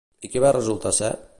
I què va resultar ser?